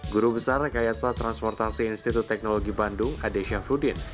guru besar rekayasa transportasi institut teknologi bandung adesha fudin